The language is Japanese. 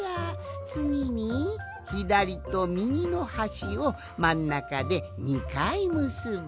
つぎにひだりとみぎのはしをまんなかで２かいむすぶ。